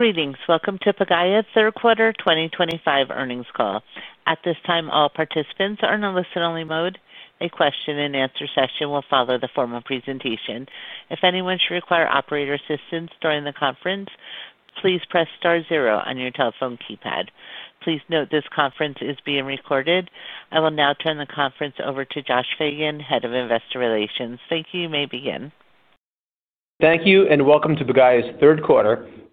Greetings. Welcome to Pagaya third quarter 2025 earnings call. At this time, all participants are in a listen-only mode. A question-and-answer session will follow the formal presentation. If anyone should require operator assistance during the conference, please press star zero on your telephone keypad. Please note this conference is being recorded. I will now turn the conference over to Josh Fagan, Head of Investor Relations. Thank you. You may begin. Thank you, and welcome to Pagaya's Third Quarter 2025 earnings conference call. Joining me today to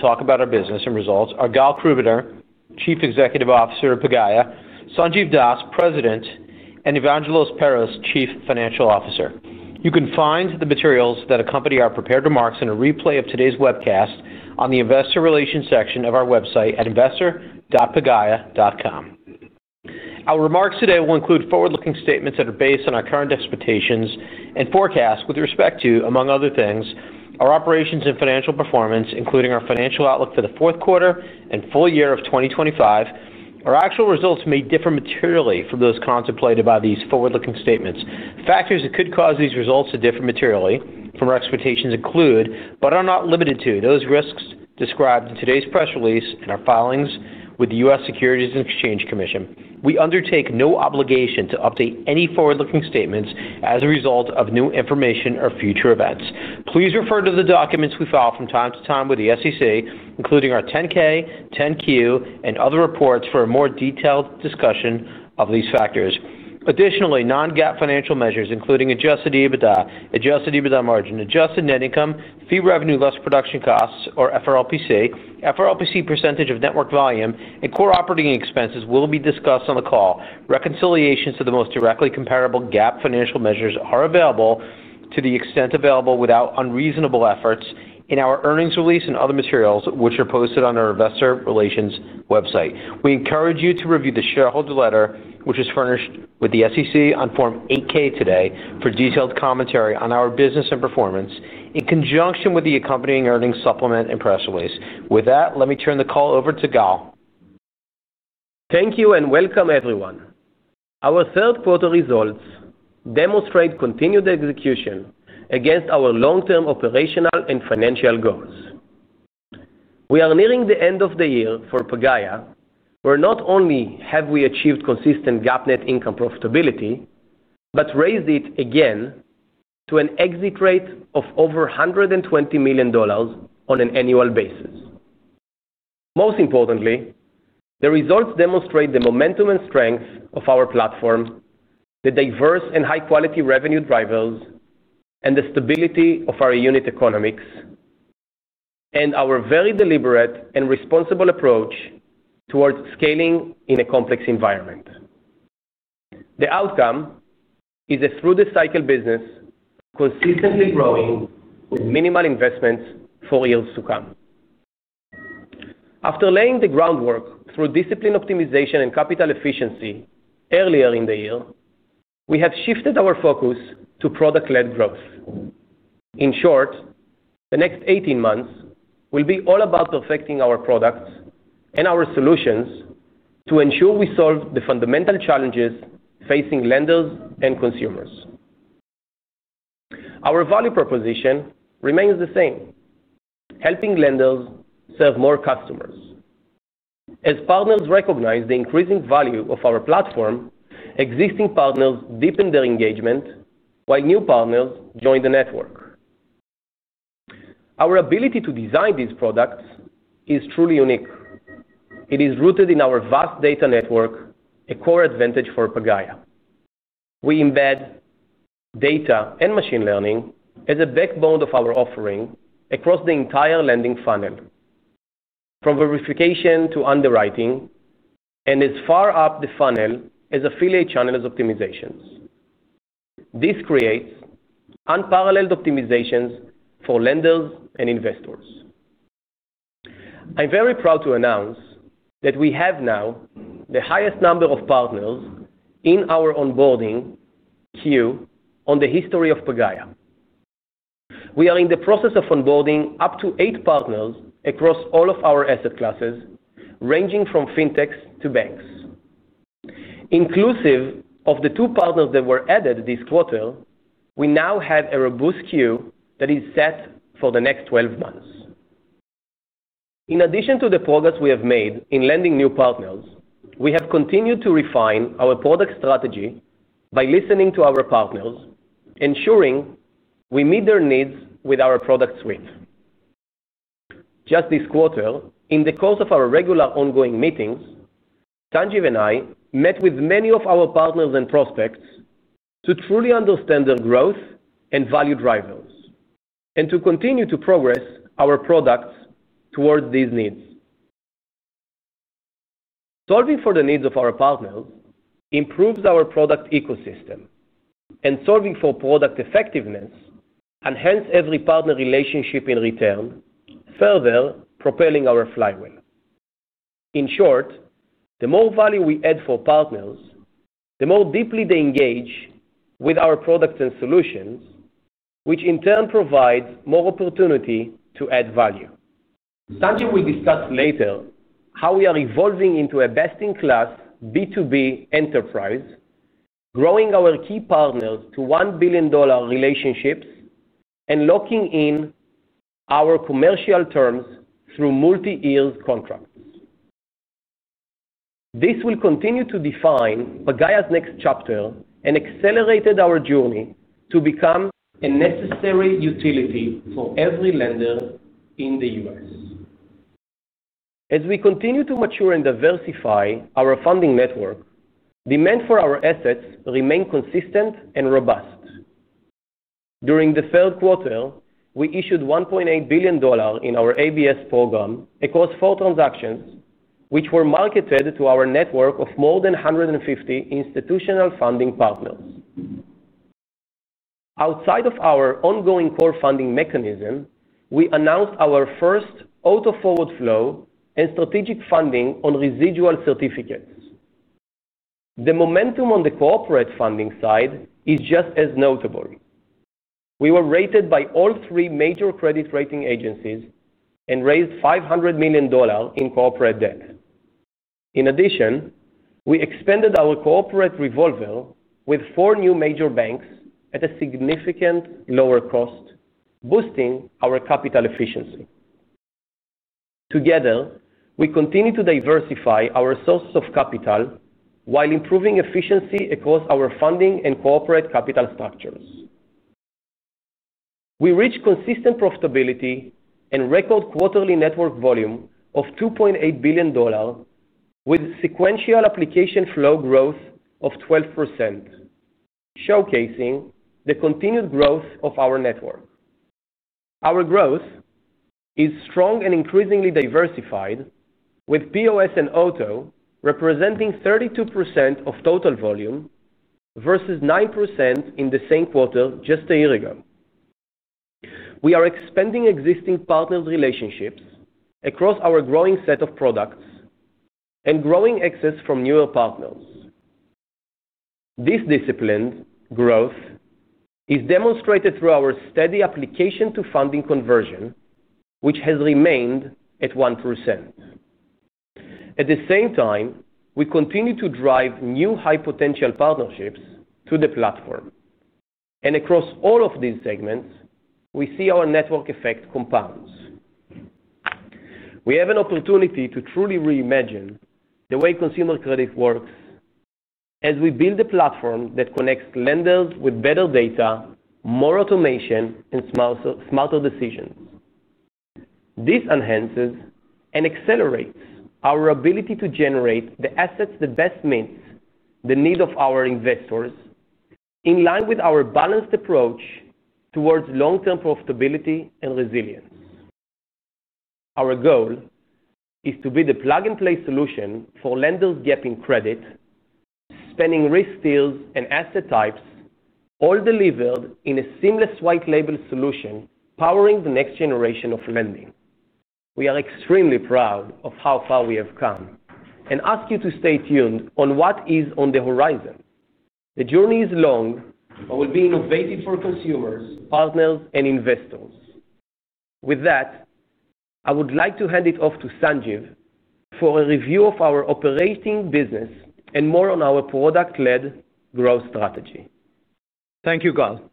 talk about our business and results are Gal Krubiner, Chief Executive Officer of Pagaya Sanjiv Das, President; and Evangelos Perros, Chief Financial Officer. You can find the materials that accompany our prepared remarks and a replay of today's webcast on the Investor Relations section of our website at investor.pagaya.com. Our remarks today will include forward-looking statements that are based on our current expectations and forecast with respect to, among other things, our operations and financial performance, including our financial outlook for the fourth quarter and full year of 2025. Our actual results may differ materially from those contemplated by these forward-looking statements. Factors that could cause these results to differ materially from our expectations include, but are not limited to, those risks described in today's press release and our filings with the U.S. Securities and Exchange Commission. We undertake no obligation to update any forward-looking statements as a result of new information or future events. Please refer to the documents we file from time to time with the SEC, including our 10-K, 10-Q, and other reports for a more detailed discussion of these factors. Additionally, non-GAAP financial measures, including adjusted EBITDA, adjusted EBITDA margin, adjusted net income, fee revenue less production costs, or FRLPC, FRLPC % of network volume, and core operating expenses will be discussed on the call. Reconciliations to the most directly comparable GAAP financial measures are available to the extent available without unreasonable efforts in our earnings release and other materials, which are posted on our Investor Relations website. We encourage you to review the shareholder letter, which is furnished with the SEC on Form 8-K today, for detailed commentary on our business and performance in conjunction with the accompanying earnings supplement and press release. With that, let me turn the call over to Gal. Thank you and welcome, everyone. Our third quarter results demonstrate continued execution against our long-term operational and financial goals. We are nearing the end of the year for Pagaya, where not only have we achieved consistent GAAP net income profitability, but raised it again to an exit rate of over $120 million on an annual basis. Most importantly, the results demonstrate the momentum and strength of our platform, the diverse and high-quality revenue drivers, and the stability of our unit economics, and our very deliberate and responsible approach towards scaling in a complex environment. The outcome is a through-the-cycle business, consistently growing with minimal investments for years to come. After laying the groundwork through discipline, optimization, and capital efficiency earlier in the year, we have shifted our focus to product-led growth. In short, the next 18 months will be all about perfecting our products and our solutions to ensure we solve the fundamental challenges facing lenders and consumers. Our value proposition remains the same: helping lenders serve more customers. As partners recognize the increasing value of our platform, existing partners deepen their engagement, while new partners join the network. Our ability to design these products is truly unique. It is rooted in our vast data network, a core advantage for Pagaya. We embed data and machine learning as a backbone of our offering across the entire lending funnel, from verification to underwriting and as far up the funnel as affiliate channels optimizations. This creates unparalleled optimizations for lenders and investors. I'm very proud to announce that we have now the highest number of partners in our onboarding queue in the history of Pagaya. We are in the process of onboarding up to eight partners across all of our asset classes, ranging from fintechs to banks. Inclusive of the two partners that were added this quarter, we now have a robust queue that is set for the next 12 months. In addition to the progress we have made in lending new partners, we have continued to refine our product strategy by listening to our partners, ensuring we meet their needs with our product suite. Just this quarter, in the course of our regular ongoing meetings, Sanjiv and I met with many of our partners and prospects to truly understand their growth and value drivers, and to continue to progress our products towards these needs. Solving for the needs of our partners improves our product ecosystem, and solving for product effectiveness enhanced every partner relationship in return, further propelling our flywheel. In short, the more value we add for partners, the more deeply they engage with our products and solutions, which in turn provides more opportunity to add value. Sanjiv will discuss later how we are evolving into a best-in-class B2B enterprise, growing our key partners to $1 billion relationships and locking in our commercial terms through multi-year contracts. This will continue to define Pagaya's next chapter and accelerate our journey to become a necessary utility for every lender in the U.S. As we continue to mature and diversify our funding network, demand for our assets remained consistent and robust. During the third quarter, we issued $1.8 billion in our ABS program across four transactions, which were marketed to our network of more than 150 institutional funding partners. Outside of our ongoing core funding mechanism, we announced our first auto-forward flow and strategic funding on residual certificates. The momentum on the corporate funding side is just as notable. We were rated by all three major credit rating agencies and raised $500 million in corporate debt. In addition, we expanded our corporate revolver with four new major banks at a significantly lower cost, boosting our capital efficiency. Together, we continue to diversify our sources of capital while improving efficiency across our funding and corporate capital structures. We reached consistent profitability and record quarterly network volume of $2.8 billion, with sequential application flow growth of 12%, showcasing the continued growth of our network. Our growth is strong and increasingly diversified, with POS and auto representing 32% of total volume versus 9% in the same quarter just a year ago. We are expanding existing partner relationships across our growing set of products and growing exits from newer partners. This disciplined growth is demonstrated through our steady application-to-funding conversion, which has remained at 1%. At the same time, we continue to drive new high-potential partnerships to the platform. Across all of these segments, we see our network effect compound. We have an opportunity to truly reimagine the way consumer credit works as we build a platform that connects lenders with better data, more automation, and smarter decisions. This enhances and accelerates our ability to generate the assets that best meet the needs of our investors, in line with our balanced approach towards long-term profitability and resilience. Our goal is to be the plug-and-play solution for lenders getting credit, spending risk deals, and asset types, all delivered in a seamless white-label solution powering the next generation of lending. We are extremely proud of how far we have come and ask you to stay tuned on what is on the horizon. The journey is long, but we'll be innovative for consumers, partners, and investors. With that, I would like to hand it off to Sanjiv for a review of our operating business and more on our product-led growth strategy. Thank you, Gal.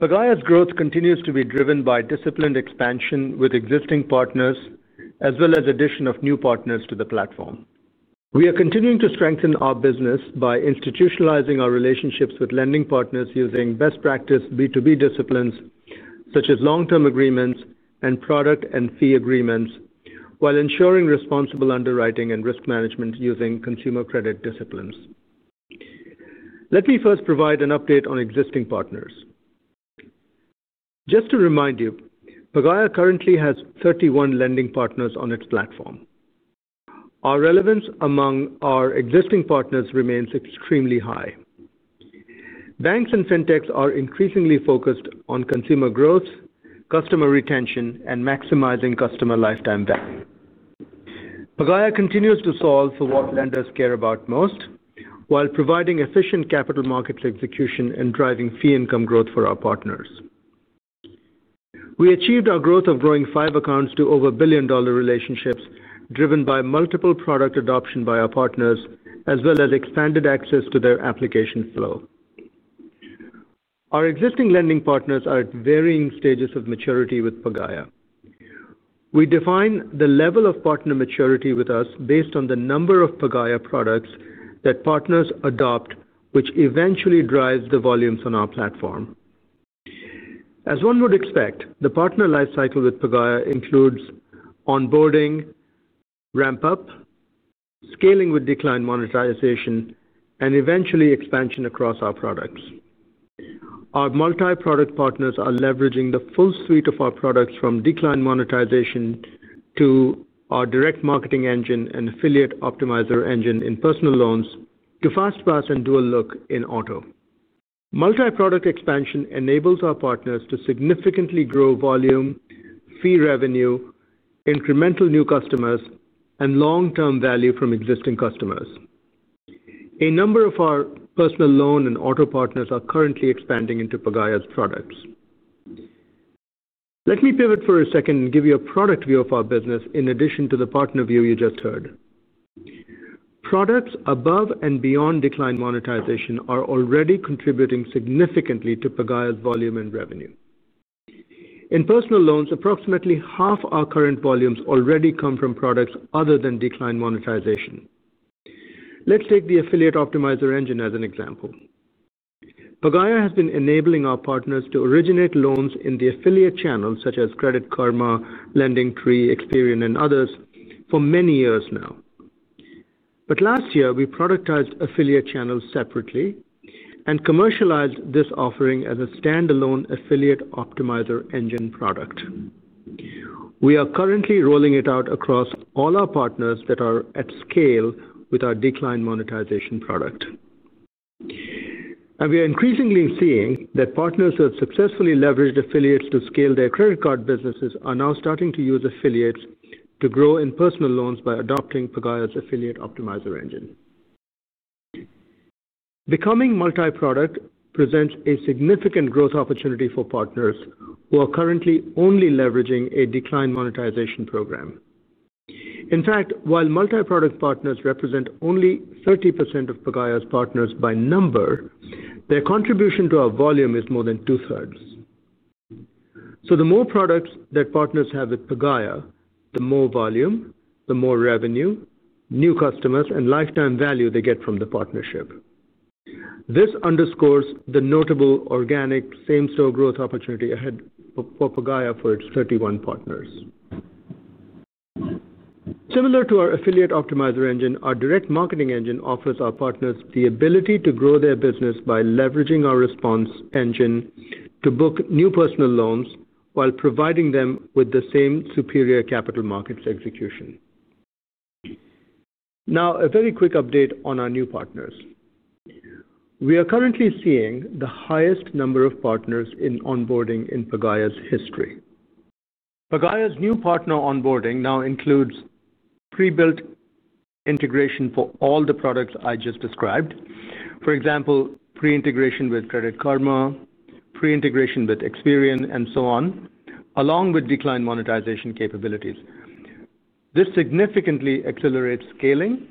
Pagaya's growth continues to be driven by disciplined expansion with existing partners, as well as the addition of new partners to the platform. We are continuing to strengthen our business by institutionalizing our relationships with lending partners using best practice B2B disciplines, such as long-term agreements and product and fee agreements, while ensuring responsible underwriting and risk management using consumer credit disciplines. Let me first provide an update on existing partners. Just to remind you, Pagaya currently has 31 lending partners on its platform. Our relevance among our existing partners remains extremely high. Banks and fintechs are increasingly focused on consumer growth, customer retention, and maximizing customer lifetime value. Pagaya continues to solve for what lenders care about most while providing efficient capital markets execution and driving fee income growth for our partners. We achieved our growth of growing five accounts to over $1 billion relationships driven by multiple product adoptions by our partners, as well as expanded access to their application flow. Our existing lending partners are at varying stages of maturity with Pagaya. We define the level of partner maturity with us based on the number of Pagaya products that partners adopt, which eventually drives the volumes on our platform. As one would expect, the partner lifecycle with Pagaya includes onboarding, ramp-up, scaling with decline monetization, and eventually expansion across our products. Our multi-product partners are leveraging the full suite of our products from decline monetization to our direct marketing engine and affiliate optimizer engine in personal loans to fast-pass and dual-look in auto. Multi-product expansion enables our partners to significantly grow volume, fee revenue, incremental new customers, and long-term value from existing customers. A number of our personal loan and auto partners are currently expanding into Pagaya's products. Let me pivot for a second and give you a product view of our business in addition to the partner view you just heard. Products above and beyond decline monetization are already contributing significantly to Pagaya's volume and revenue. In personal loans, approximately half our current volumes already come from products other than decline monetization. Let's take the affiliate optimizer engine as an example. Pagaya has been enabling our partners to originate loans in the affiliate channels, such as Credit Karma, LendingTree, Experian, and others, for many years now. Last year, we productized affiliate channels separately and commercialized this offering as a standalone affiliate optimizer engine product. We are currently rolling it out across all our partners that are at scale with our decline monetization product. We are increasingly seeing that partners who have successfully leveraged affiliates to scale their credit card businesses are now starting to use affiliates to grow in personal loans by adopting Pagaya's affiliate optimizer engine. Becoming multi-product presents a significant growth opportunity for partners who are currently only leveraging a decline monetization program. In fact, while multi-product partners represent only 30% of Pagaya's partners by number, their contribution to our volume is more than two-thirds. The more products that partners have with Pagaya, the more volume, the more revenue, new customers, and lifetime value they get from the partnership. This underscores the notable organic same-store growth opportunity ahead for Pagaya for its 31 partners. Similar to our affiliate optimizer engine, our direct marketing engine offers our partners the ability to grow their business by leveraging our response engine to book new personal loans while providing them with the same superior capital markets execution. Now, a very quick update on our new partners. We are currently seeing the highest number of partners in onboarding in Pagaya's history. Pagaya's new partner onboarding now includes pre-built integration for all the products I just described. For example, pre-integration with Credit Karma, pre-integration with Experian, and so on, along with decline monetization capabilities. This significantly accelerates scaling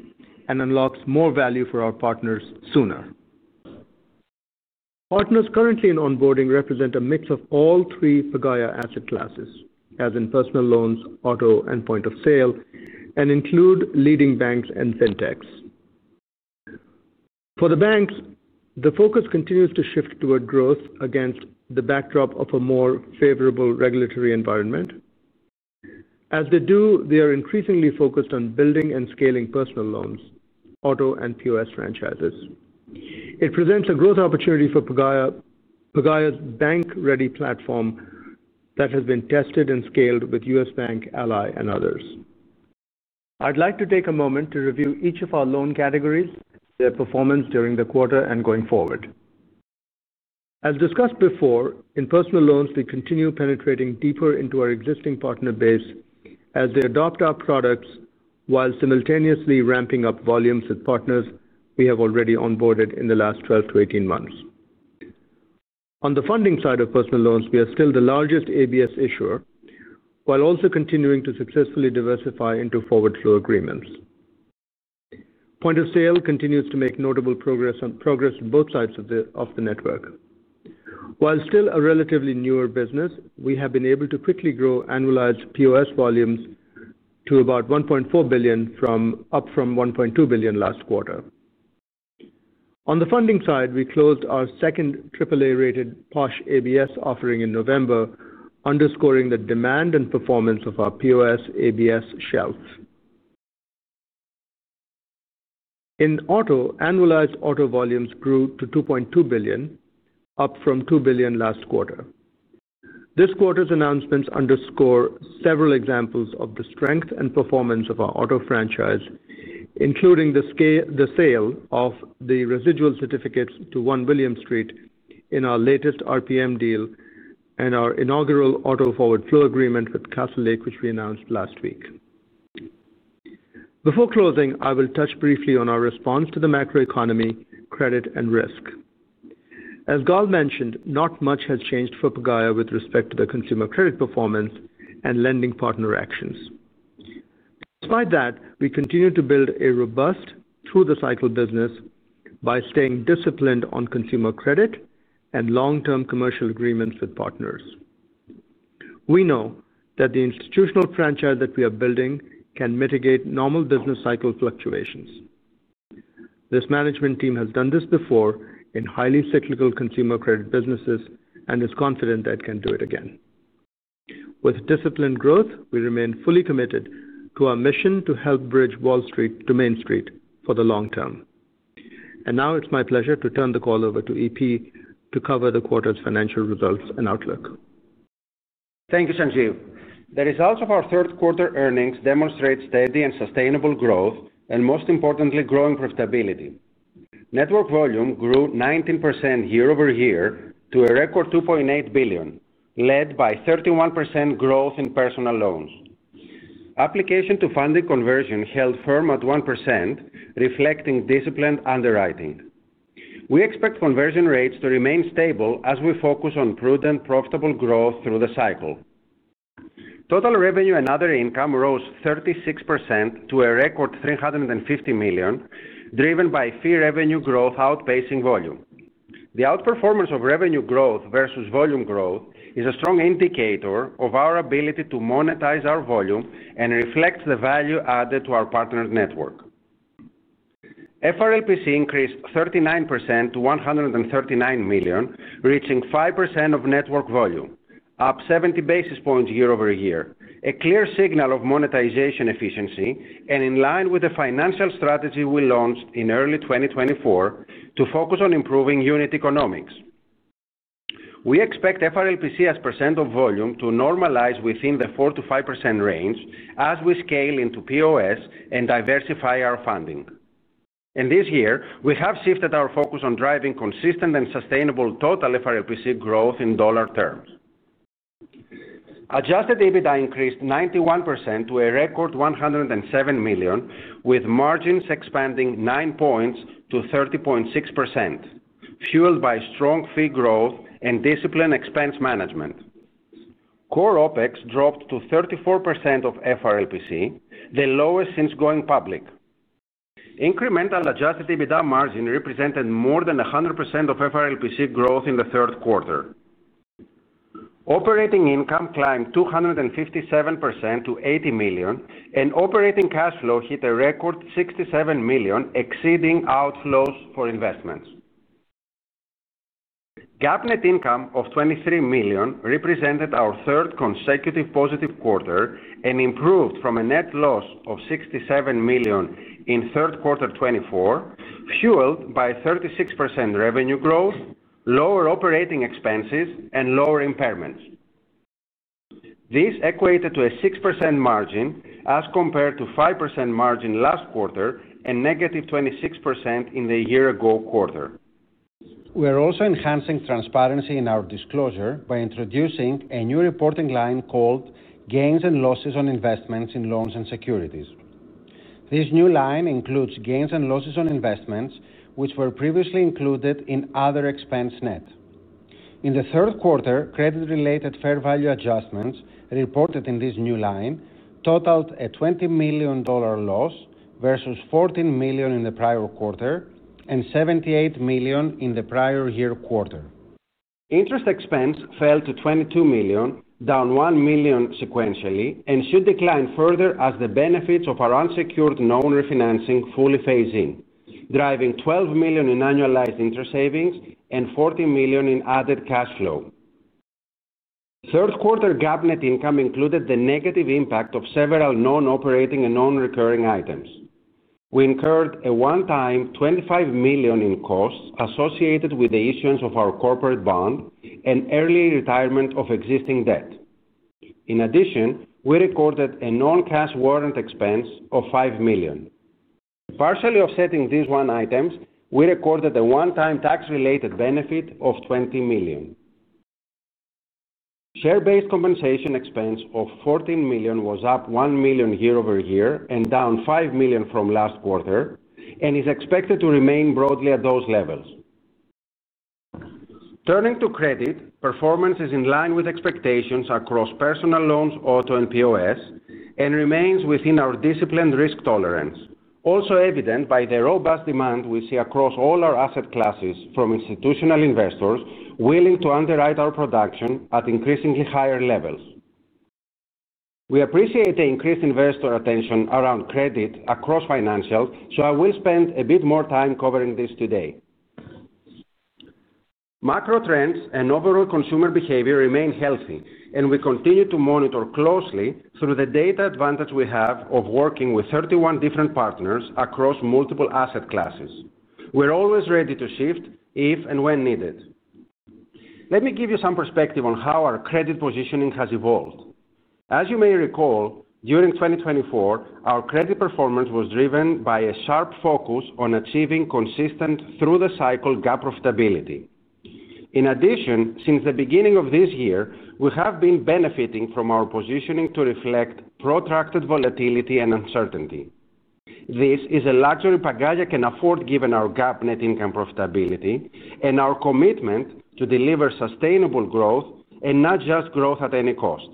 and unlocks more value for our partners sooner. Partners currently in onboarding represent a mix of all three Pagaya asset classes, as in personal loans, auto, and point of sale, and include leading banks and fintechs. For the banks, the focus continues to shift toward growth against the backdrop of a more favorable regulatory environment. As they do, they are increasingly focused on building and scaling personal loans, auto, and POS franchises. It presents a growth opportunity for Pagaya's bank-ready platform that has been tested and scaled with U.S. Bank, Ally, and others. I'd like to take a moment to review each of our loan categories, their performance during the quarter, and going forward. As discussed before, in personal loans, we continue penetrating deeper into our existing partner base as they adopt our products while simultaneously ramping up volumes with partners we have already onboarded in the last 12 to 18 months. On the funding side of personal loans, we are still the largest ABS issuer, while also continuing to successfully diversify into forward-flow agreements. Point of sale continues to make notable progress on both sides of the network. While still a relatively newer business, we have been able to quickly grow annualized POS volumes to about $1.4 billion, up from $1.2 billion last quarter. On the funding side, we closed our second AAA-rated POS ABS offering in November, underscoring the demand and performance of our POS ABS shelves. In auto, annualized auto volumes grew to $2.2 billion, up from $2 billion last quarter. This quarter's announcements underscore several examples of the strength and performance of our auto franchise, including the sale of the residual certificates to 1 William Street in our latest RPM deal and our inaugural auto forward-flow agreement with Castle Lake, which we announced last week. Before closing, I will touch briefly on our response to the macroeconomy, credit, and risk. As Gal mentioned, not much has changed for Pagaya with respect to the consumer credit performance and lending partner actions. Despite that, we continue to build a robust through-the-cycle business by staying disciplined on consumer credit and long-term commercial agreements with partners. We know that the institutional franchise that we are building can mitigate normal business cycle fluctuations. This management team has done this before in highly cyclical consumer credit businesses and is confident that it can do it again. With disciplined growth, we remain fully committed to our mission to help bridge Wall Street to Main Street for the long term. It is my pleasure to turn the call over to EP to cover the quarter's financial results and outlook. Thank you, Sanjiv. The results of our third quarter earnings demonstrate steady and sustainable growth, and most importantly, growing profitability. Network volume grew 19% year over year to a record $2.8 billion, led by 31% growth in personal loans. Application-to-funding conversion held firm at 1%, reflecting disciplined underwriting. We expect conversion rates to remain stable as we focus on prudent, profitable growth through the cycle. Total revenue and other income rose 36% to a record $350 million, driven by fee revenue growth outpacing volume. The outperformance of revenue growth versus volume growth is a strong indicator of our ability to monetize our volume and reflects the value added to our partner network. FRLPC increased 39% to $139 million, reaching 5% of network volume, up 70 basis points year over year, a clear signal of monetization efficiency and in line with the financial strategy we launched in early 2024 to focus on improving unit economics. We expect FRLPC as percent of volume to normalize within the 4%-5% range as we scale into POS and diversify our funding. This year, we have shifted our focus on driving consistent and sustainable total FRLPC growth in dollar terms. Adjusted EBITDA increased 91% to a record $107 million, with margins expanding 9 percentage points to 30.6%, fueled by strong fee growth and disciplined expense management. Core OPEX dropped to 34% of FRLPC, the lowest since going public. Incremental adjusted EBITDA margin represented more than 100% of FRLPC growth in the third quarter. Operating income climbed 257% to $80 million, and operating cash flow hit a record $67 million, exceeding outflows for investments. GAAP net income of $23 million represented our third consecutive positive quarter and improved from a net loss of $67 million in third quarter 2024, fueled by 36% revenue growth, lower operating expenses, and lower impairments. This equated to a 6% margin as compared to a 5% margin last quarter and negative 26% in the year-ago quarter. We are also enhancing transparency in our disclosure by introducing a new reporting line called Gains and Losses on Investments in Loans and Securities. This new line includes gains and losses on investments which were previously included in other expense net. In the third quarter, credit-related fair value adjustments reported in this new line totaled a $20 million loss versus $14 million in the prior quarter and $78 million in the prior year quarter. Interest expense fell to $22 million, down $1 million sequentially, and should decline further as the benefits of our unsecured loan refinancing fully phase in, driving $12 million in annualized interest savings and $14 million in added cash flow. Third quarter GAAP net income included the negative impact of several non-operating and non-recurring items. We incurred a one-time $25 million in costs associated with the issuance of our corporate bond and early retirement of existing debt. In addition, we recorded a non-cash warrant expense of $5 million. Partially offsetting these one-time items, we recorded a one-time tax-related benefit of $20 million. Share-based compensation expense of $14 million was up $1 million year over year and down $5 million from last quarter and is expected to remain broadly at those levels. Turning to credit, performance is in line with expectations across personal loans, auto, and POS and remains within our disciplined risk tolerance, also evident by the robust demand we see across all our asset classes from institutional investors willing to underwrite our production at increasingly higher levels. We appreciate the increased investor attention around credit across financials, so I will spend a bit more time covering this today. Macro trends and overall consumer behavior remain healthy, and we continue to monitor closely through the data advantage we have of working with 31 different partners across multiple asset classes. We're always ready to shift if and when needed. Let me give you some perspective on how our credit positioning has evolved. As you may recall, during 2024, our credit performance was driven by a sharp focus on achieving consistent through-the-cycle GAAP profitability. In addition, since the beginning of this year, we have been benefiting from our positioning to reflect protracted volatility and uncertainty. This is a luxury Pagaya can afford given our GAAP net income profitability and our commitment to deliver sustainable growth and not just growth at any cost.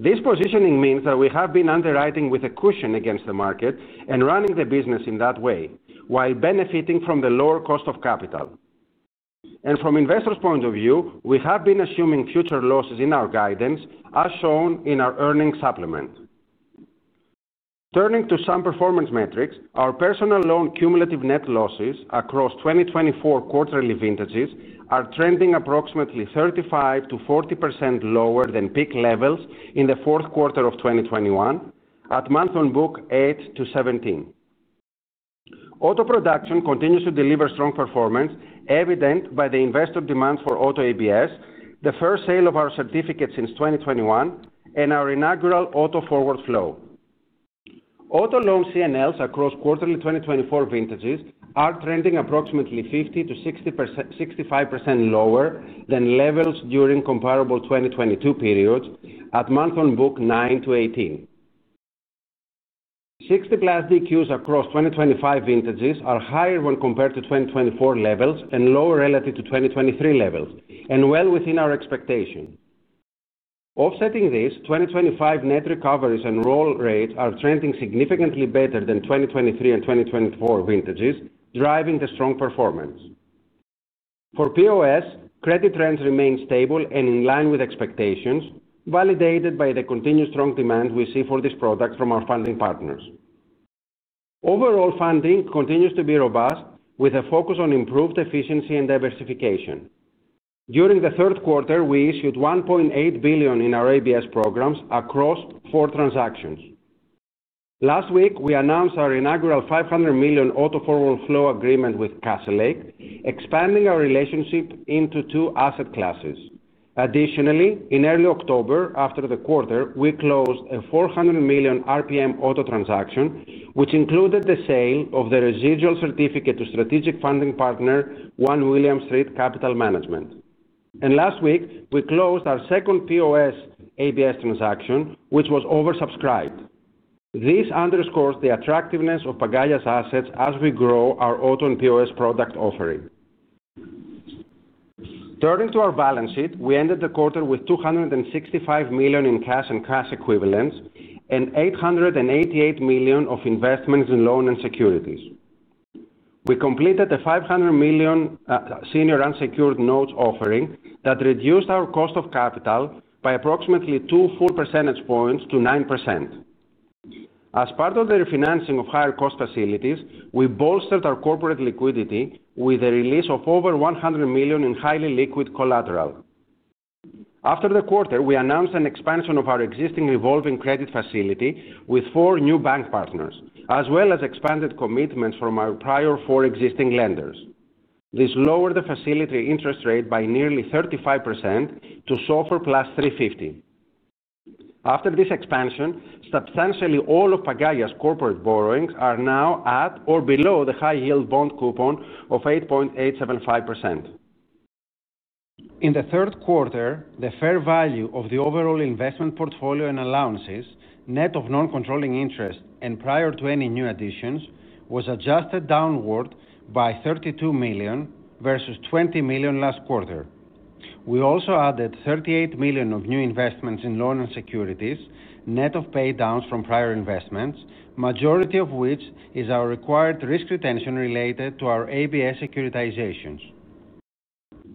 This positioning means that we have been underwriting with a cushion against the market and running the business in that way while benefiting from the lower cost of capital. From investors' point of view, we have been assuming future losses in our guidance as shown in our earnings supplement. Turning to some performance metrics, our personal loan cumulative net losses across 2024 quarterly vintages are trending approximately 35%-40% lower than peak levels in the fourth quarter of 2021 at month-on-book $8-$17. Auto production continues to deliver strong performance, evident by the investor demand for auto ABS, the first sale of our certificates since 2021, and our inaugural auto forward flow. Auto loan C&Ls across quarterly 2024 vintages are trending approximately 50%-65% lower than levels during comparable 2022 periods at month-on-book $9-$18. 60-plus DQs across 2025 vintages are higher when compared to 2024 levels and lower relative to 2023 levels, and well within our expectation. Offsetting this, 2025 net recoveries and roll rates are trending significantly better than 2023 and 2024 vintages, driving the strong performance. For POS, credit trends remain stable and in line with expectations, validated by the continued strong demand we see for this product from our funding partners. Overall funding continues to be robust, with a focus on improved efficiency and diversification. During the third quarter, we issued $1.8 billion in our ABS programs across four transactions. Last week, we announced our inaugural $500 million auto forward flow agreement with Castle Lake, expanding our relationship into two asset classes. Additionally, in early October, after the quarter, we closed a $400 million RPM auto transaction, which included the sale of the residual certificate to strategic funding partner 1 William Street Capital Management. Last week, we closed our second POS ABS transaction, which was oversubscribed. This underscores the attractiveness of Pagaya's assets as we grow our auto and POS product offering. Turning to our balance sheet, we ended the quarter with $265 million in cash and cash equivalents and $888 million of investments in loans and securities. We completed a $500 million senior unsecured notes offering that reduced our cost of capital by approximately two full percentage points to 9%. As part of the refinancing of higher cost facilities, we bolstered our corporate liquidity with a release of over $100 million in highly liquid collateral. After the quarter, we announced an expansion of our existing revolving credit facility with four new bank partners, as well as expanded commitments from our prior four existing lenders. This lowered the facility interest rate by nearly 35% to SOFR plus $350. After this expansion, substantially all of Pagaya's corporate borrowings are now at or below the high-yield bond coupon of 8.875%. In the third quarter, the fair value of the overall investment portfolio and allowances, net of non-controlling interest and prior to any new additions, was adjusted downward by $32 million versus $20 million last quarter. We also added $38 million of new investments in loans and securities, net of pay downs from prior investments, majority of which is our required risk retention related to our ABS securitizations.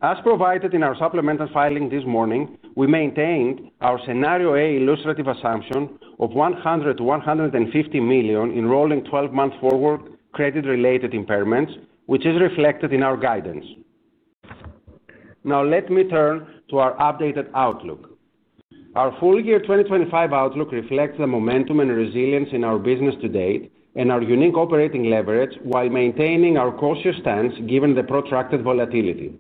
As provided in our supplemental filing this morning, we maintained our scenario A illustrative assumption of $100 million-$150 million in rolling 12-month forward credit-related impairments, which is reflected in our guidance. Now let me turn to our updated outlook. Our full year 2025 outlook reflects the momentum and resilience in our business to date and our unique operating leverage while maintaining our cautious stance given the protracted volatility.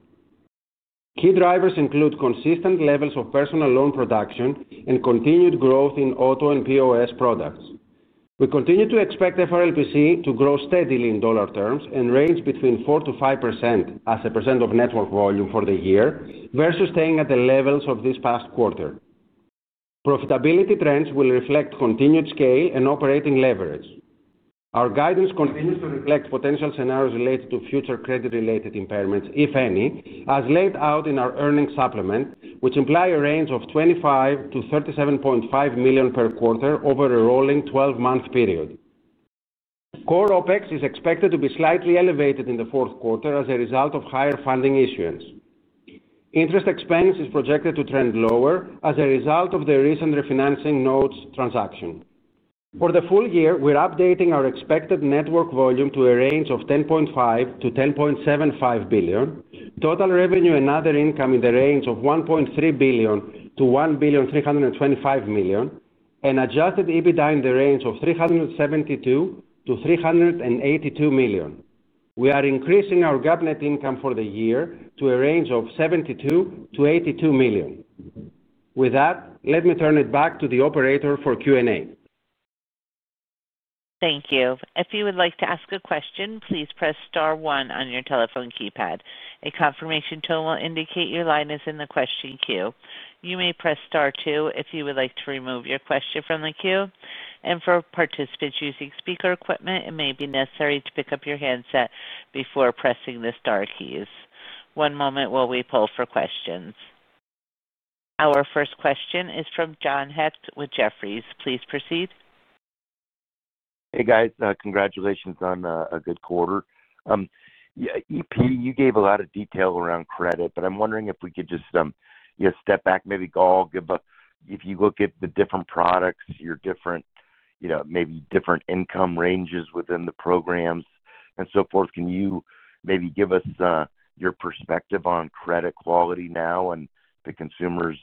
Key drivers include consistent levels of personal loan production and continued growth in auto and POS products. We continue to expect FRLPC to grow steadily in dollar terms and range between 4%-5% as a percent of network volume for the year versus staying at the levels of this past quarter. Profitability trends will reflect continued scale and operating leverage. Our guidance continues to reflect potential scenarios related to future credit-related impairments, if any, as laid out in our earnings supplement, which imply a range of $25 million-$37.5 million per quarter over a rolling 12-month period. Core OPEX is expected to be slightly elevated in the fourth quarter as a result of higher funding issuance. Interest expense is projected to trend lower as a result of the recent refinancing notes transaction. For the full year, we're updating our expected network volume to a range of $10.5 billion-$10.75 billion, total revenue and other income in the range of $1.3 billion-$1.325 billion, and adjusted EBITDA in the range of $372 million-$382 million. We are increasing our GAAP net income for the year to a range of $72 million-$82 million. With that, let me turn it back to the operator for Q&A. Thank you. If you would like to ask a question, please press star one on your telephone keypad. A confirmation tone will indicate your line is in the question queue. You may press star two if you would like to remove your question from the queue. For participants using speaker equipment, it may be necessary to pick up your handset before pressing the star keys. One moment while we pull for questions. Our first question is from John Heck with Jefferies. Please proceed. Hey, guys. Congratulations on a good quarter. EP, you gave a lot of detail around credit, but I'm wondering if we could just step back, maybe go, if you look at the different products, your different, maybe different income ranges within the programs and so forth. Can you maybe give us your perspective on credit quality now and the consumers'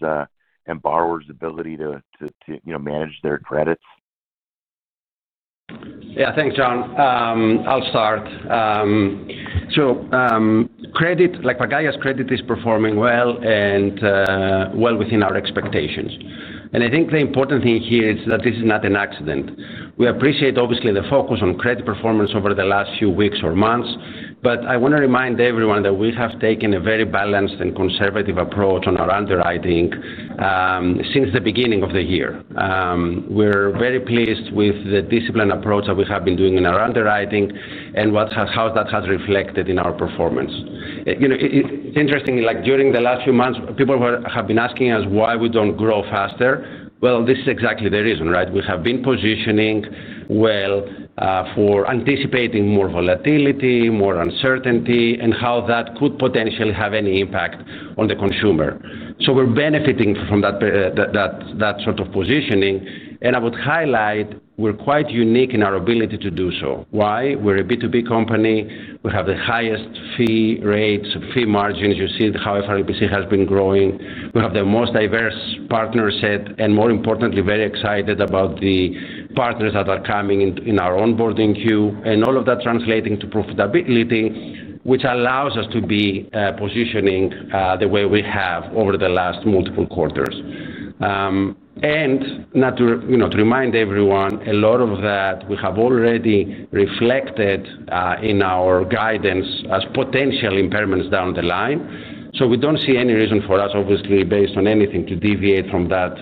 and borrowers' ability to manage their credits? Yeah, thanks, John. I'll start. So credit, like Pagaya's credit, is performing well and well within our expectations. I think the important thing here is that this is not an accident. We appreciate, obviously, the focus on credit performance over the last few weeks or months, but I want to remind everyone that we have taken a very balanced and conservative approach on our underwriting since the beginning of the year. We're very pleased with the disciplined approach that we have been doing in our underwriting and how that has reflected in our performance. It's interesting, during the last few months, people have been asking us why we don't grow faster. This is exactly the reason, right? We have been positioning well for anticipating more volatility, more uncertainty, and how that could potentially have any impact on the consumer. We're benefiting from that sort of positioning. I would highlight we're quite unique in our ability to do so. Why? We're a B2B company. We have the highest fee rates, fee margins. You see how FRLPC has been growing. We have the most diverse partner set and, more importantly, very excited about the partners that are coming in our onboarding queue. All of that translating to profitability, which allows us to be positioning the way we have over the last multiple quarters. To remind everyone, a lot of that we have already reflected in our guidance as potential impairments down the line. We do not see any reason for us, obviously, based on anything to deviate from that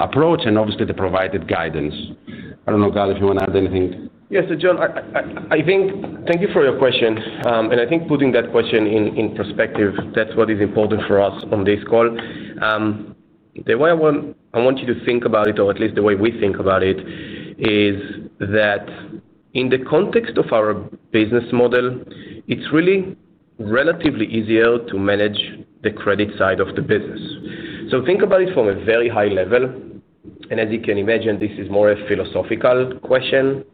approach and obviously the provided guidance. I do not know, Gal, if you want to add anything. Yes, John, I think thank you for your question. I think putting that question in perspective, that is what is important for us on this call. The way I want you to think about it, or at least the way we think about it, is that in the context of our business model, it is really relatively easier to manage the credit side of the business. Think about it from a very high level. As you can imagine, this is more a philosophical question.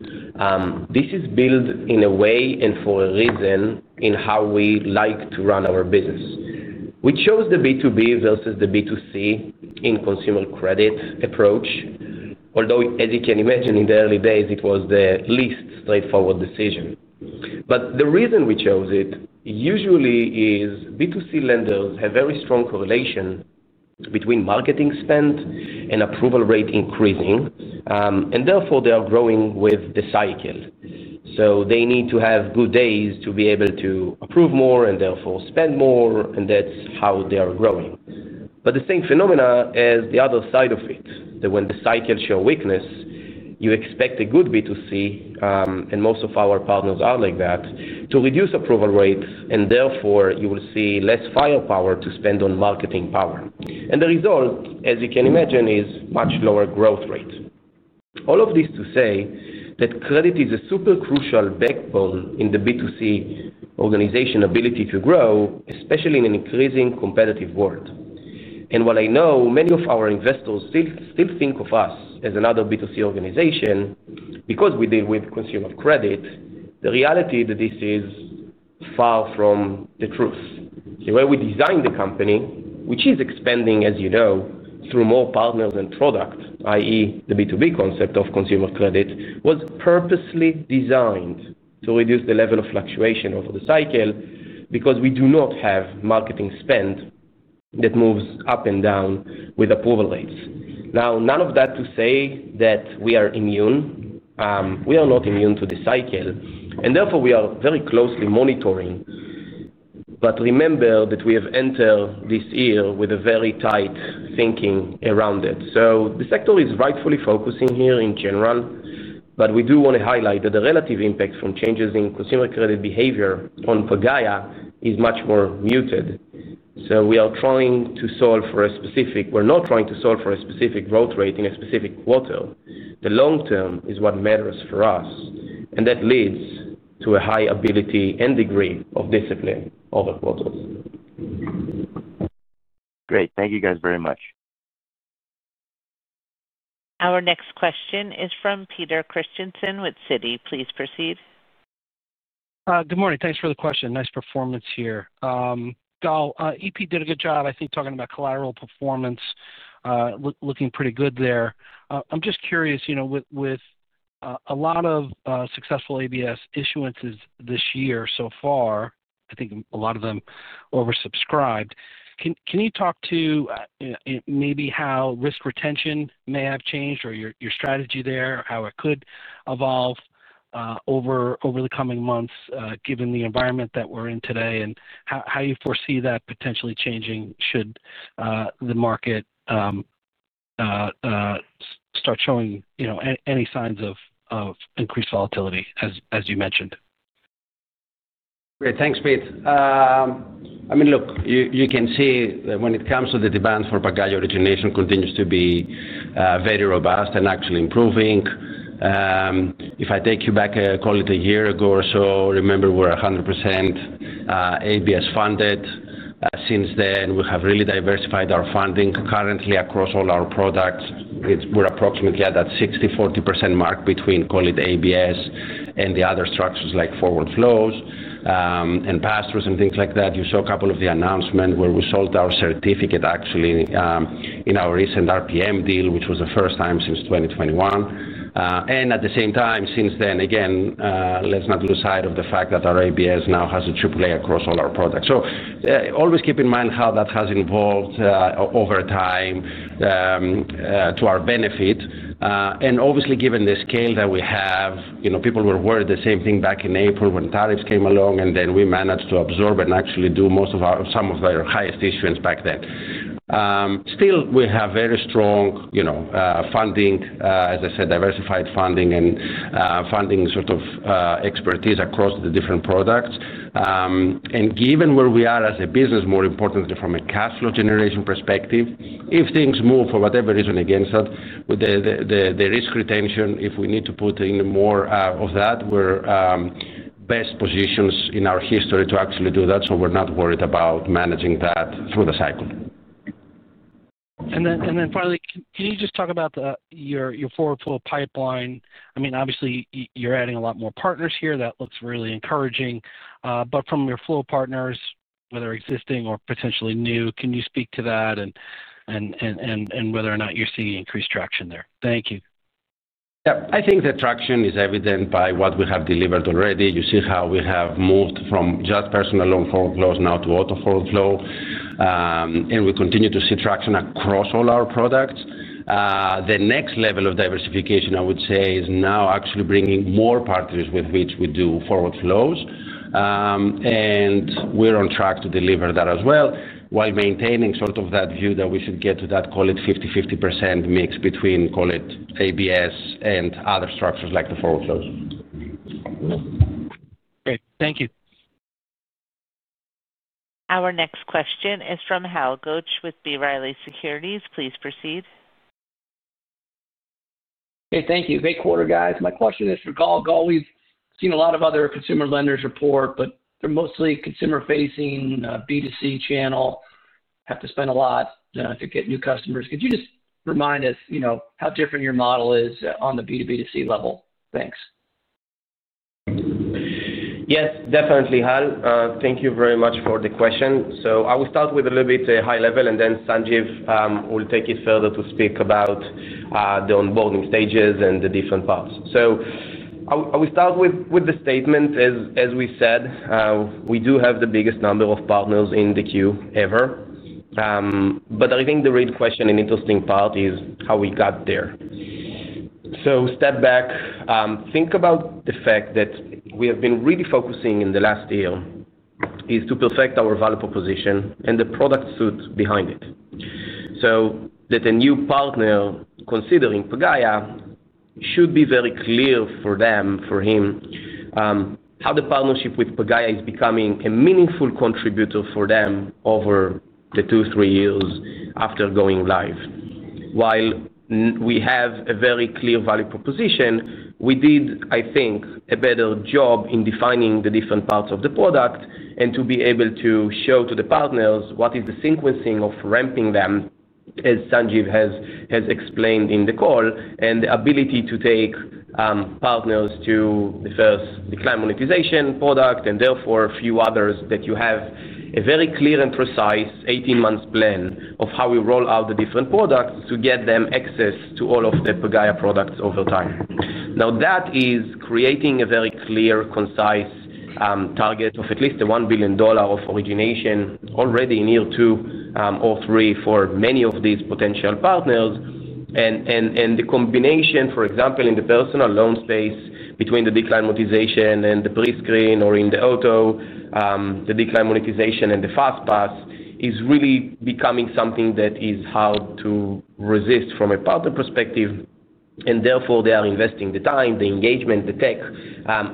This is built in a way and for a reason in how we like to run our business. We chose the B2B versus the B2C in consumer credit approach, although, as you can imagine, in the early days, it was the least straightforward decision. The reason we chose it usually is B2C lenders have very strong correlation between marketing spend and approval rate increasing, and therefore they are growing with the cycle. They need to have good days to be able to approve more and therefore spend more, and that is how they are growing. The same phenomena is the other side of it. That when the cycle show weakness, you expect a good B2C, and most of our partners are like that, to reduce approval rates, and therefore you will see less firepower to spend on marketing power. The result, as you can imagine, is much lower growth rate. All of this to say that credit is a super crucial backbone in the B2C organization ability to grow, especially in an increasing competitive world. While I know many of our investors still think of us as another B2C organization because we deal with consumer credit, the reality that this is far from the truth. The way we designed the company, which is expanding, as you know, through more partners and product, i.e., the B2B concept of consumer credit, was purposely designed to reduce the level of fluctuation over the cycle because we do not have marketing spend that moves up and down with approval rates. Now, none of that is to say that we are immune. We are not immune to the cycle, and therefore we are very closely monitoring. Remember that we have entered this year with a very tight thinking around it. The sector is rightfully focusing here in general, but we do want to highlight that the relative impact from changes in consumer credit behavior on Pagaya is much more muted. We are trying to solve for a specific—we're not trying to solve for a specific growth rate in a specific quarter. The long term is what matters for us, and that leads to a high ability and degree of discipline over quarters. Great. Thank you guys very much. Our next question is from Peter Christensen with Citi. Please proceed. Good morning. Thanks for the question. Nice performance here. Gal, EP did a good job, I think, talking about collateral performance, looking pretty good there. I'm just curious, with a lot of successful ABS issuances this year so far, I think a lot of them oversubscribed, can you talk to maybe how risk retention may have changed or your strategy there or how it could evolve over the coming months given the environment that we're in today and how you foresee that potentially changing should the market start showing any signs of increased volatility, as you mentioned? Great. Thanks, Pete. I mean, look, you can see that when it comes to the demand for Pagaya origination, it continues to be very robust and actually improving. If I take you back, call it a year ago or so, remember we're 100% ABS funded. Since then, we have really diversified our funding currently across all our products. We're approximately at that 60-40% mark between, call it ABS and the other structures like forward flows and pass-throughs and things like that. You saw a couple of the announcements where we sold our certificate actually in our recent RPM deal, which was the first time since 2021. At the same time, since then, again, let's not lose sight of the fact that our ABS now has a triple-A across all our products. Always keep in mind how that has evolved over time to our benefit. Obviously, given the scale that we have, people were worried the same thing back in April when tariffs came along, and then we managed to absorb and actually do most of our, some of our highest issuance back then. Still, we have very strong funding, as I said, diversified funding and funding sort of expertise across the different products. Given where we are as a business, more importantly from a cash flow generation perspective, if things move for whatever reason against that, the risk retention, if we need to put in more of that, we're best positioned in our history to actually do that. We're not worried about managing that through the cycle. Finally, can you just talk about your forward flow pipeline? I mean, obviously, you're adding a lot more partners here. That looks really encouraging. But from your flow partners, whether existing or potentially new, can you speak to that and whether or not you're seeing increased traction there? Thank you. Yeah. I think the traction is evident by what we have delivered already. You see how we have moved from just personal loan forward flows now to auto forward flow. And we continue to see traction across all our products. The next level of diversification, I would say, is now actually bringing more partners with which we do forward flows. And we're on track to deliver that as well while maintaining sort of that view that we should get to that, call it 50/50% mix between, call it ABS and other structures like the forward flows. Great. Thank you. Our next question is from Hal Goetsch with B. Riley Securities. Please proceed. Hey, thank you. Great quarter, guys. My question is for Gal. Gal, we've seen a lot of other consumer lenders report, but they're mostly consumer-facing B2C channel. Have to spend a lot to get new customers. Could you just remind us how different your model is on the B2B2C level? Thanks. Yes, definitely, Hal. Thank you very much for the question. I will start with a little bit high level, and then Sanjiv will take it further to speak about the onboarding stages and the different parts. I will start with the statement, as we said, we do have the biggest number of partners in the queue ever. I think the real question and interesting part is how we got there. Step back, think about the fact that we have been really focusing in the last year is to perfect our value proposition and the product suite behind it. A new partner considering Pagaya should be very clear for them, for him, how the partnership with Pagaya is becoming a meaningful contributor for them over the two, three years after going live. While we have a very clear value proposition, we did, I think, a better job in defining the different parts of the product and to be able to show to the partners what is the sequencing of ramping them, as Sanjiv has explained in the call, and the ability to take partners to the first decline monetization product and therefore a few others that you have a very clear and precise 18-month plan of how we roll out the different products to get them access to all of the Pagaya products over time. Now, that is creating a very clear, concise target of at least $1 billion of origination already in year two or three for many of these potential partners. The combination, for example, in the personal loan space between the decline monetization and the pre-screen or in the auto, the decline monetization and the fast-pass is really becoming something that is hard to resist from a partner perspective. Therefore, they are investing the time, the engagement, the tech,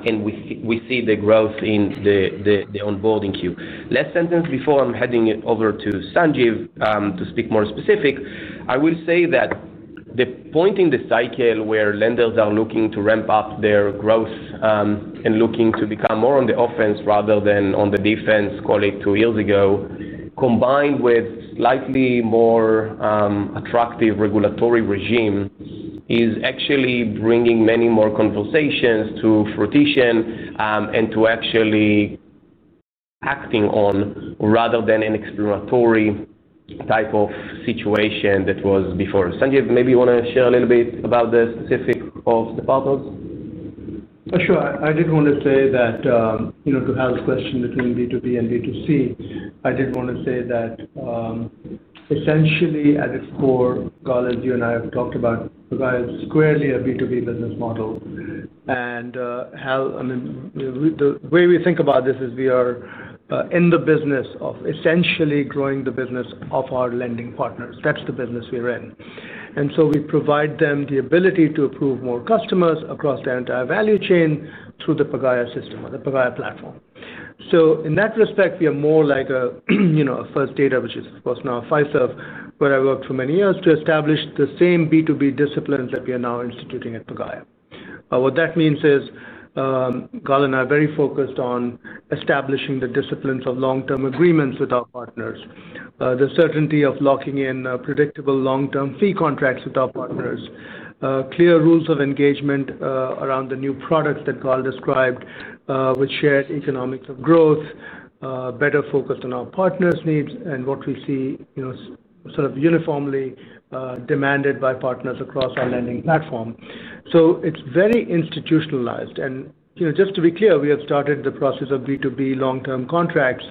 and we see the growth in the onboarding queue. Last sentence before I am heading over to Sanjiv to speak more specific, I will say that the point in the cycle where lenders are looking to ramp up their growth and looking to become more on the offense rather than on the defense, call it two years ago, combined with slightly more attractive regulatory regime is actually bringing many more conversations to fruition and to actually acting on rather than an explanatory type of situation that was before. Sanjiv, maybe you want to share a little bit about the specifics of the partners? Sure. I did want to say that to help question between B2B and B2C, I did want to say that essentially at its core, Gal, as you and I have talked about, Pagaya is squarely a B2B business model. Hal, I mean, the way we think about this is we are in the business of essentially growing the business of our lending partners. That is the business we are in. We provide them the ability to approve more customers across the entire value chain through the Pagaya system or the Pagaya platform. In that respect, we are more like a First Data, which is of course now Fiserv, where I worked for many years to establish the same B2B disciplines that we are now instituting at Pagaya. What that means is, Gal and I are very focused on establishing the disciplines of long-term agreements with our partners, the certainty of locking in predictable long-term fee contracts with our partners, clear rules of engagement around the new products that Gal described, with shared economics of growth, better focus on our partners' needs and what we see sort of uniformly demanded by partners across our lending platform. It is very institutionalized. Just to be clear, we have started the process of B2B long-term contracts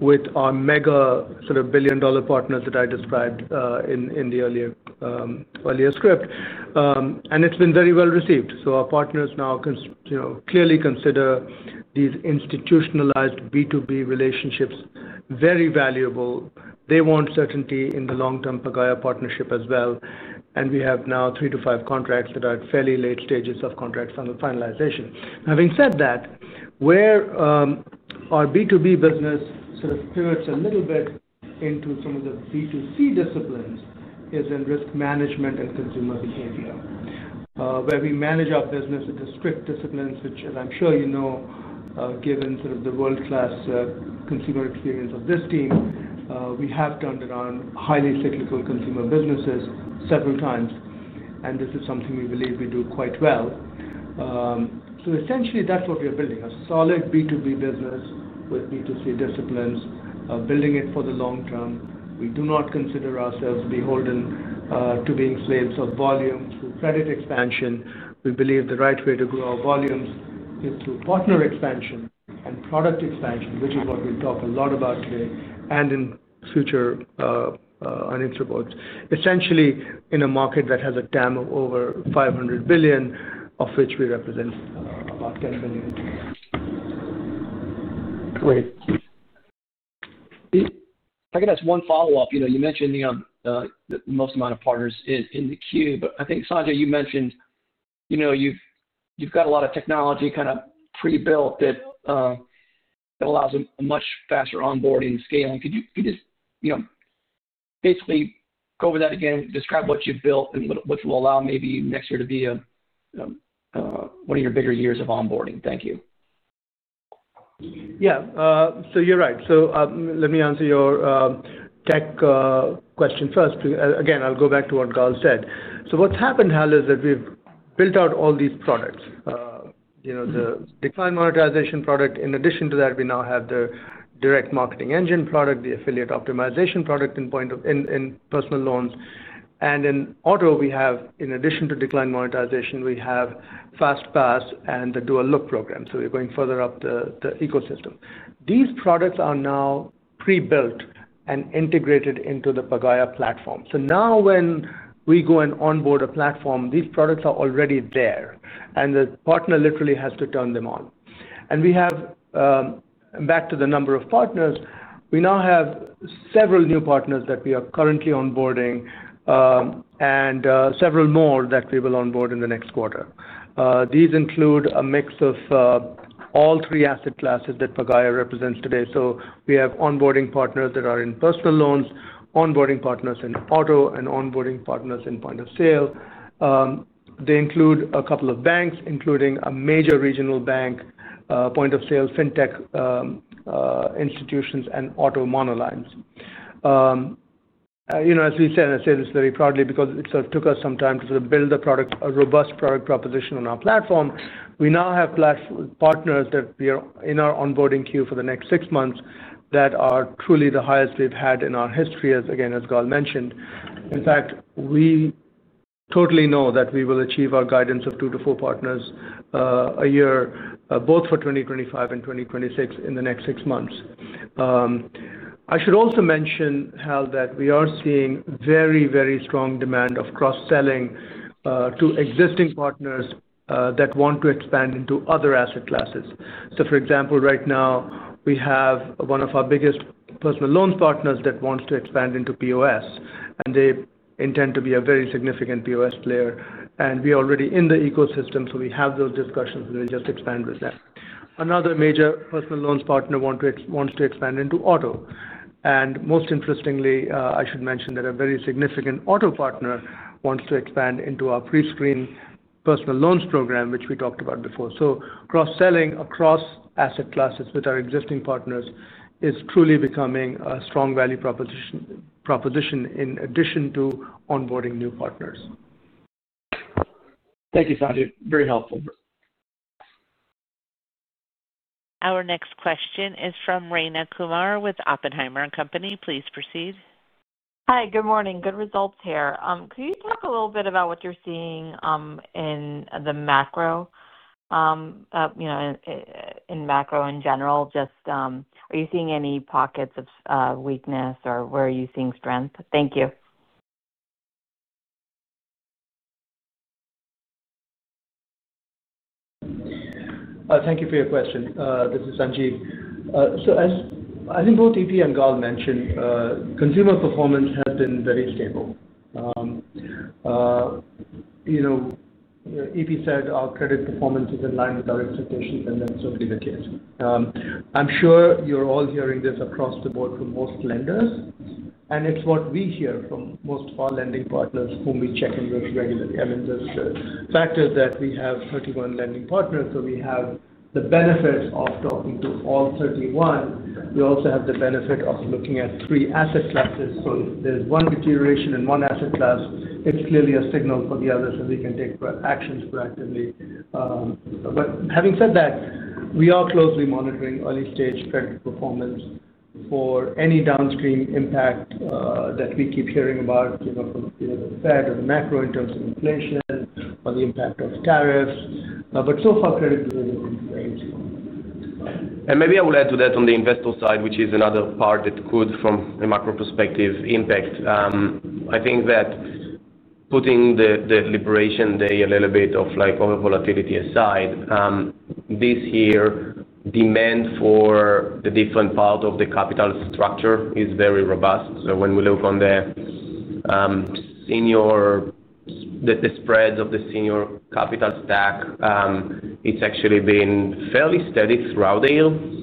with our mega sort of billion-dollar partners that I described in the earlier script. It has been very well received. Our partners now clearly consider these institutionalized B2B relationships very valuable. They want certainty in the long-term Pagaya partnership as well. We have now three to five contracts that are at fairly late stages of contract finalization. Having said that, where our B2B business sort of spirits a little bit into some of the B2C disciplines is in risk management and consumer behavior, where we manage our business with the strict disciplines, which, as I'm sure you know, given sort of the world-class consumer experience of this team, we have turned around highly cyclical consumer businesses several times. This is something we believe we do quite well. Essentially, that's what we are building: a solid B2B business with B2C disciplines, building it for the long term. We do not consider ourselves beholden to being slaves of volumes through credit expansion. We believe the right way to grow our volumes is through partner expansion and product expansion, which is what we'll talk a lot about today and in future intervals, essentially in a market that has a TAM of over $500 billion, of which we represent about $10 billion. Great. I can ask one follow-up. You mentioned the most amount of partners in the queue. I think, Sanjiv, you mentioned you've got a lot of technology kind of pre-built that allows a much faster onboarding scale. Could you just basically go over that again, describe what you've built and what will allow maybe next year to be one of your bigger years of onboarding? Thank you. Yeah. You're right. Let me answer your tech question first. Again, I'll go back to what Gal said. What's happened, Hal, is that we've built out all these products: the decline monetization product. In addition to that, we now have the direct marketing engine product, the affiliate optimizer engine product in personal loans. In auto, we have, in addition to decline monetization, fast-pass and the dual-look program. We're going further up the ecosystem. These products are now pre-built and integrated into the Pagaya platform. Now when we go and onboard a platform, these products are already there, and the partner literally has to turn them on. Back to the number of partners, we now have several new partners that we are currently onboarding and several more that we will onboard in the next quarter. These include a mix of all three asset classes that Pagaya represents today. We have onboarding partners that are in personal loans, onboarding partners in auto, and onboarding partners in point of sale. They include a couple of banks, including a major regional bank, point of sale fintech institutions, and auto mono lines. As we said, I say this very proudly because it sort of took us some time to sort of build a robust product proposition on our platform. We now have partners that are in our onboarding queue for the next six months that are truly the highest we have had in our history, again, as Gal mentioned. In fact, we totally know that we will achieve our guidance of two to four partners a year, both for 2025 and 2026 in the next six months. I should also mention, Hal, that we are seeing very, very strong demand of cross-selling to existing partners that want to expand into other asset classes. For example, right now, we have one of our biggest personal loans partners that wants to expand into POS, and they intend to be a very significant POS player. We are already in the ecosystem, so we have those discussions, and we will just expand with them. Another major personal loans partner wants to expand into auto. Most interestingly, I should mention that a very significant auto partner wants to expand into our pre-screen personal loans program, which we talked about before. Cross-selling across asset classes with our existing partners is truly becoming a strong value proposition in addition to onboarding new partners. Thank you, Sanjiv. Very helpful. Our next question is from Rayna with Oppenheimer & Company. Please proceed. Hi. Good morning. Good results here. Could you talk a little bit about what you're seeing in the macro in general, just are you seeing any pockets of weakness or where are you seeing strength? Thank you. Thank you for your question. This is Sanjiv. As I think both EP and Gal mentioned, consumer performance has been very stable. EP said our credit performance is in line with our expectations, and that's certainly the case. I'm sure you're all hearing this across the board from most lenders, and it's what we hear from most of our lending partners whom we check in with regularly. I mean, the fact is that we have 31 lending partners, so we have the benefits of talking to all 31. We also have the benefit of looking at three asset classes. If there is one deterioration in one asset class, it is clearly a signal for the others that we can take actions proactively. Having said that, we are closely monitoring early-stage credit performance for any downstream impact that we keep hearing about from the Fed or the macro in terms of inflation or the impact of tariffs. So far, credit behavior seems very stable. Maybe I will add to that on the investor side, which is another part that could, from a macro perspective, impact. I think that putting the liberation day, a little bit of over-volatility aside, this year, demand for the different part of the capital structure is very robust. When we look on the spreads of the senior capital stack, it has actually been fairly steady throughout the year.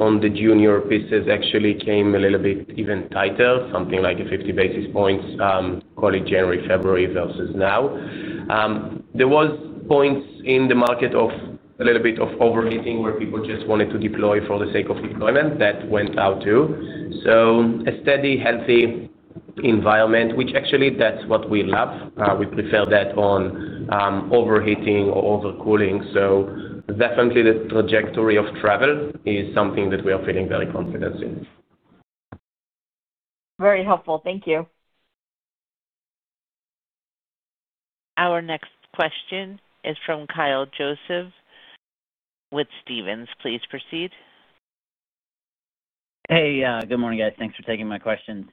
On the junior pieces, actually came a little bit even tighter, something like 50 basis points, call it January, February versus now. There were points in the market of a little bit of overheating where people just wanted to deploy for the sake of deployment. That went out too. A steady, healthy environment, which actually that's what we love. We prefer that over overheating or overcooling. Definitely, the trajectory of travel is something that we are feeling very confident in. Very helpful. Thank you. Our next question is from Kyle Joseph with Stephens. Please proceed. Hey, good morning, guys. Thanks for taking my questions.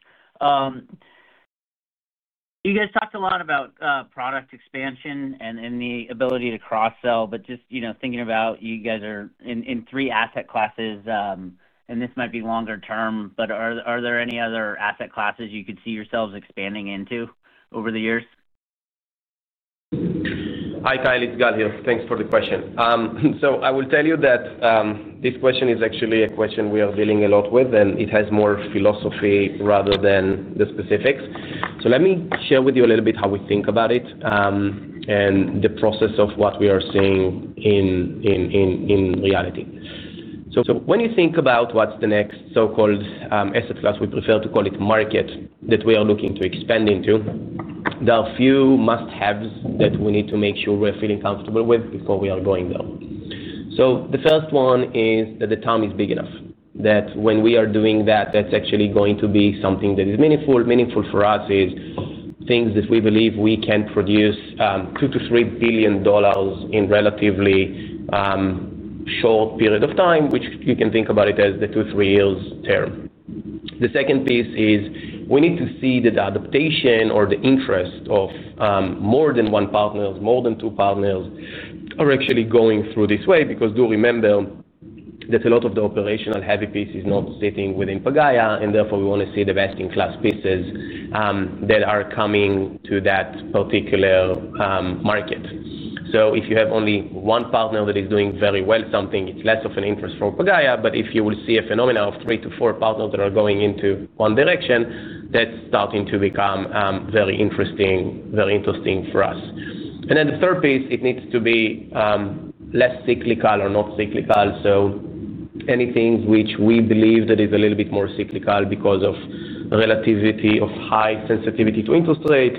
You guys talked a lot about product expansion and the ability to cross-sell. Just thinking about you guys are in three asset classes, and this might be longer term, but are there any other asset classes you could see yourselves expanding into over the years? Hi, Kyle. It's Gal here. Thanks for the question. I will tell you that this question is actually a question we are dealing a lot with, and it has more philosophy rather than the specifics. Let me share with you a little bit how we think about it and the process of what we are seeing in reality. When you think about what's the next so-called asset class, we prefer to call it market, that we are looking to expand into, there are a few must-haves that we need to make sure we're feeling comfortable with before we are going there. The first one is that the TAM is big enough that when we are doing that, that's actually going to be something that is meaningful. Meaningful for us is things that we believe we can produce $2 billion-$3 billion in a relatively short period of time, which you can think about as the two- to three-year term. The second piece is we need to see that the adaptation or the interest of more than one partner, more than two partners, are actually going through this way because do remember that a lot of the operational heavy piece is not sitting within Pagaya, and therefore, we want to see the best-in-class pieces that are coming to that particular market. If you have only one partner that is doing very well something, it's less of an interest for Pagaya. If you will see a phenomena of three to four partners that are going into one direction, that is starting to become very interesting for us. The third piece, it needs to be less cyclical or not cyclical. Anything which we believe that is a little bit more cyclical because of relativity of high sensitivity to interest rate,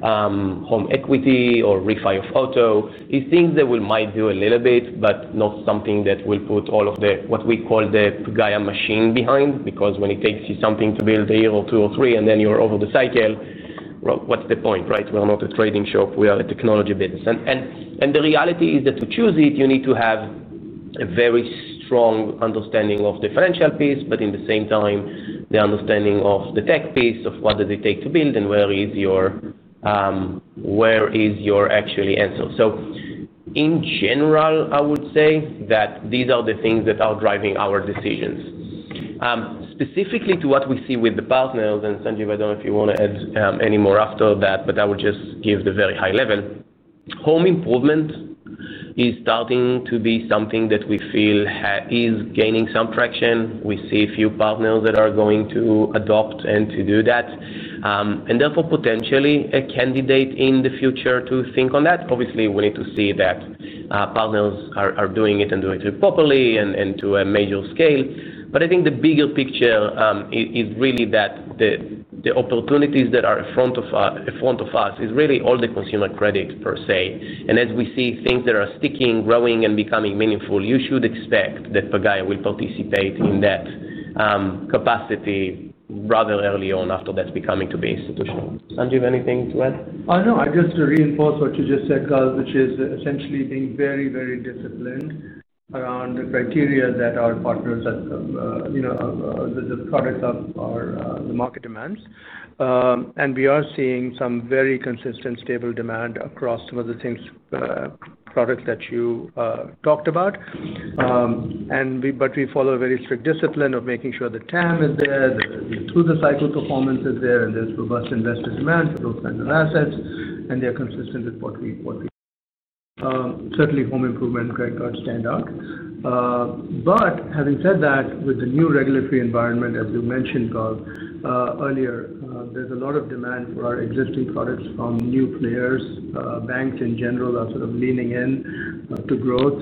like home equity or refi of auto, is things that we might do a little bit, but not something that will put all of what we call the Pagaya machine behind because when it takes you something to build a year or two or three, and then you are over the cycle, what is the point, right? We are not a trading shop. We are a technology business. The reality is that to choose it, you need to have a very strong understanding of the financial piece, but at the same time, the understanding of the tech piece of what does it take to build and where is your actually answer. In general, I would say that these are the things that are driving our decisions. Specifically to what we see with the partners, and Sanjiv, I do not know if you want to add any more after that, but I will just give the very high level. Home improvement is starting to be something that we feel is gaining some traction. We see a few partners that are going to adopt and to do that, and therefore, potentially a candidate in the future to think on that. Obviously, we need to see that partners are doing it and doing it properly and to a major scale. I think the bigger picture is really that the opportunities that are in front of us is really all the consumer credit per se. As we see things that are sticking, growing, and becoming meaningful, you should expect that Pagaya will participate in that capacity rather early on after that's becoming to be institutional. Sanjiv, anything to add? No. I just reinforce what you just said, Gal, which is essentially being very, very disciplined around the criteria that our partners have as the products of the market demands. We are seeing some very consistent, stable demand across some of the things, products that you talked about. We follow a very strict discipline of making sure the TAM is there, that the through-the-cycle performance is there, and there is robust investor demand for those kinds of assets. They are consistent with what we certainly home improvement credit cards stand out. Having said that, with the new regulatory environment, as you mentioned, Gal, earlier, there is a lot of demand for our existing products from new players. Banks in general are sort of leaning in to growth.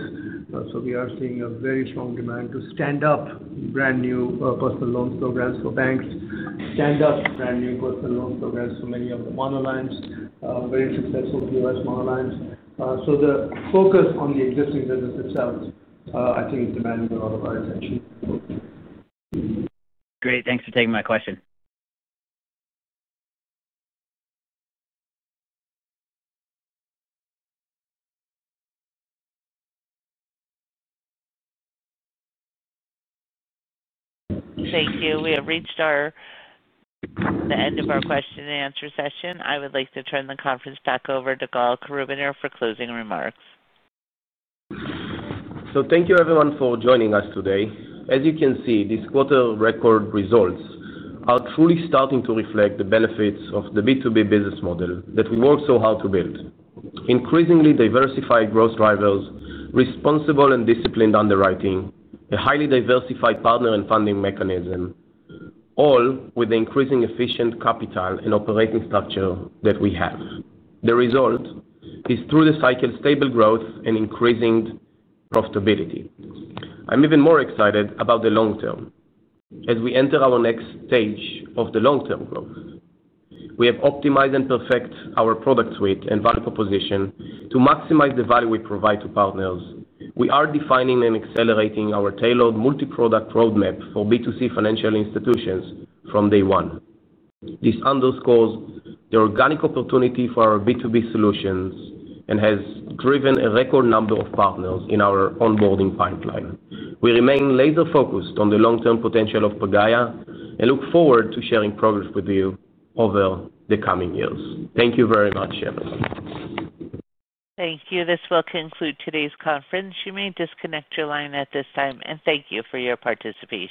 We are seeing a very strong demand to stand up brand new personal loans programs for banks, stand up brand new personal loans programs for many of the mono lines, very successful POS mono lines. The focus on the existing business itself, I think, is demanding a lot of our attention. Great. Thanks for taking my question. Thank you. We have reached the end of our question-and-answer session. I would like to turn the conference back over to Gal Krubiner for closing remarks. Thank you, everyone, for joining us today. As you can see, this quarter record results are truly starting to reflect the benefits of the B2B business model that we worked so hard to build: increasingly diversified growth drivers, responsible and disciplined underwriting, a highly diversified partner and funding mechanism, all with the increasing efficient capital and operating structure that we have. The result is through-the-cycle stable growth and increasing profitability. I'm even more excited about the long term as we enter our next stage of the long-term growth. We have optimized and perfected our product suite and value proposition to maximize the value we provide to partners. We are defining and accelerating our tailored multi-product roadmap for B2C financial institutions from day one. This underscores the organic opportunity for our B2B solutions and has driven a record number of partners in our onboarding pipeline. We remain laser-focused on the long-term potential of Pagaya and look forward to sharing progress with you over the coming years. Thank you very much, everyone. Thank you. This will conclude today's conference. You may disconnect your line at this time, and thank you for your participation.